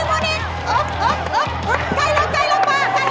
เก่งมากใกล้แล้วใกล้แล้ว